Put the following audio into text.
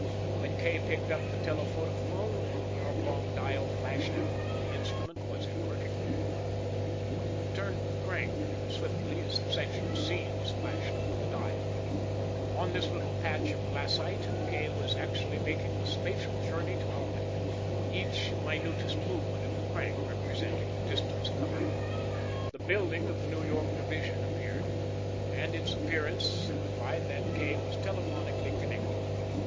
When Kay picked up the telephotophone, the oblong dial flashed out. The instrument was in working order. He turned the crank, and swiftly a succession of scenes flashed over the dial. On this little patch of glassite, Kay was actually making the spatial journey to Albany, each minutest movement of the crank representing a distance covered. The building of the New York Division appeared, and its appearance signified that Kay was telephonically connected.